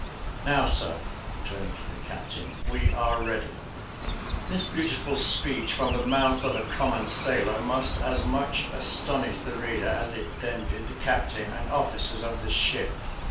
Now, sir," turning to the captain, "we are ready." This beautiful speech from the mouth of a common sailor must as much astonish the reader as it then did the captain and officers of the ship.